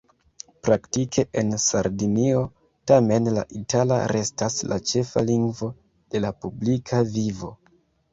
Praktike en Sardinio tamen la itala restas la ĉefa lingvo de la publika vivo.